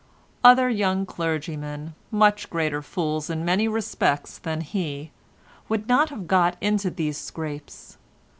Other young clergymen, much greater fools in many respects than he, would not have got into these scrapes.